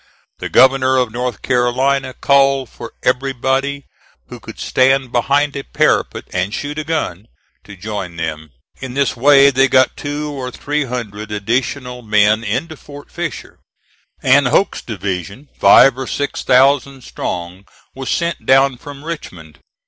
The Governor of North Carolina called for everybody who could stand behind a parapet and shoot a gun, to join them. In this way they got two or three hundred additional men into Fort Fisher; and Hoke's division, five or six thousand strong, was sent down from Richmond.